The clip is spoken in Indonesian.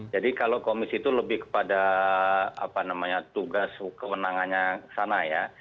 jadi kalau komisi itu lebih kepada tugas kewenangannya sana ya